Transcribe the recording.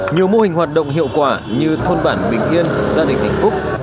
nhiều mô hình hoạt động hiệu quả như thôn bản bình yên gia đình hạnh phúc